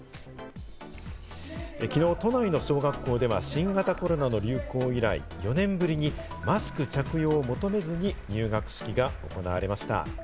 昨日、都内の小学校では新型コロナの流行以来、４年ぶりにマスク着用を求めずに入学式が行われました。